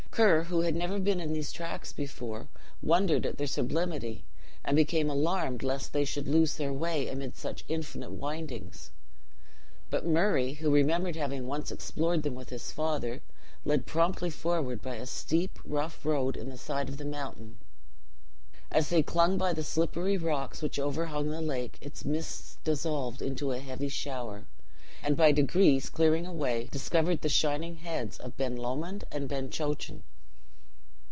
Ker, who had never been in these tracks before, wondered at their sublimity, and became alarmed lest they should lose their way amid such infinite windings. But Murray, who remembered having once explored them with his father, led promptly forward by a steep, rough road in the side of the mountain. As they clung by the slippery rocks which overhung the lake, its mists dissolved into a heavy shower, and, by degrees clearing away, discovered the shining heads of Ben Lomond and Ben Chochan.